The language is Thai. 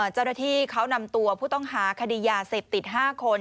เจ้าหน้าที่เขานำตัวผู้ต้องหาคดียาเสพติด๕คน